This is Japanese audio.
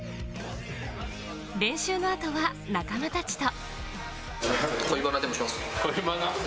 練習の後は仲間たちと。